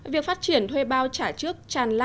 việc phát triển thuê bao trả trước